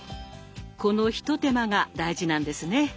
この一手間が大事なんですね。